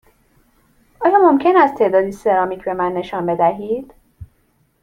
آیا ممکن است تعدادی سرامیک به من نشان بدهید؟